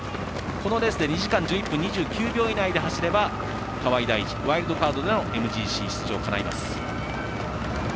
このレースで２時間１１分２９秒以内で走れば河合代二、ワイルドカードでのＭＧＣ出場かないます。